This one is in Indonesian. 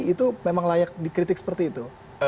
itu memang layak dikritik seperti itu